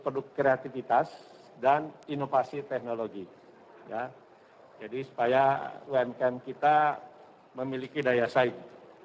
produk kreativitas dan inovasi teknologi ya jadi supaya umkm kita memiliki daya saing